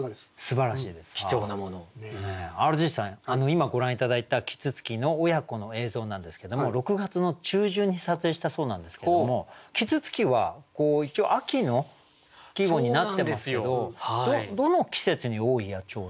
今ご覧頂いた啄木鳥の親子の映像なんですけども６月の中旬に撮影したそうなんですけども「啄木鳥」は一応秋の季語になってますけどどの季節に多い野鳥なんですか？